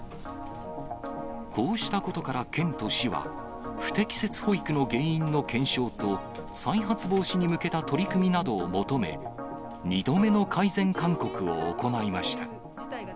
こうしたことから県と市は、不適切保育の原因の検証と、再発防止に向けた取り組みなどを求め、２度目の改善勧告を行いました。